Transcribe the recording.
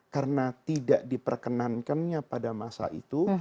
karena tidak diperkenankannya pada masa itu